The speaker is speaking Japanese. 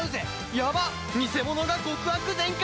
やばっ偽者が極悪全開！？